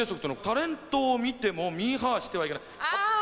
「タレントを見てもミーハーしてはいけない」ああ！